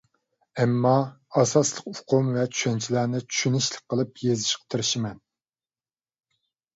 ئەمما، ئاساسلىق ئۇقۇم ۋە چۈشەنچىلەرنى چۈشىنىشلىك قىلىپ يېزىشقا تىرىشىمەن.